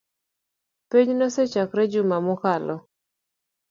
Penj nosechakore juma mokalo